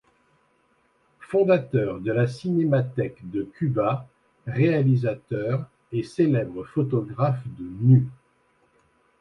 Fondateur de la Cinémathèque de Cuba, réalisateur et célèbre photographe de nus.